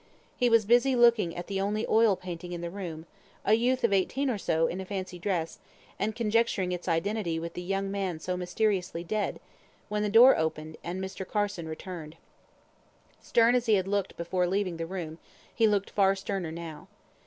He was busy looking at the only oil painting in the room (a youth of eighteen or so, in a fancy dress), and conjecturing its identity with the young man so mysteriously dead, when the door opened, and Mr. Carson returned. Stern as he had looked before leaving the room, he looked far sterner now.